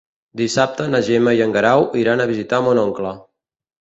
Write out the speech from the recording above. Dissabte na Gemma i en Guerau iran a visitar mon oncle.